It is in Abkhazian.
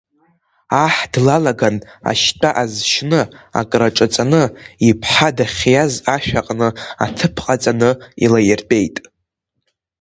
Аҳ длалаган ашьтәа азшьны, акраҿаҵаны, иԥҳа дахьиаз ашә аҟны аҭыԥ ҟаҵаны илаиртәеит.